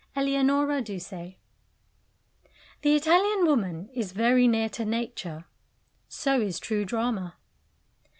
ELEONORA DUSE The Italian woman is very near to Nature; so is true drama.